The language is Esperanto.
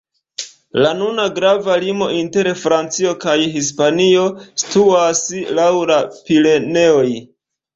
La nuna grava limo inter Francio kaj Hispanio situas laŭ la Pireneoj.